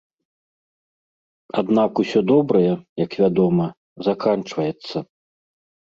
Аднак усё добрае, як вядома, заканчваецца.